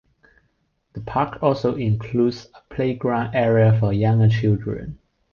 The park also includes a playground area for younger children.